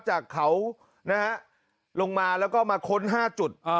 จากเขานะฮะลงมาแล้วก็มาค้น๕จุด